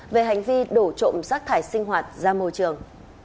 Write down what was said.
về hành vi đổ trộm rác thải sinh hoạt ra môi trường